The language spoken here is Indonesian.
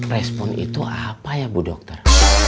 respon itu apa ya bu dokter